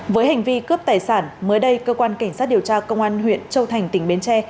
với hành vi cướp tài sản mới đây cơ quan cảnh sát điều tra công an huyện châu thành tỉnh bến tre